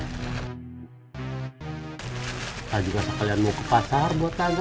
tadi ngasih kalian mau ke pasar buat naga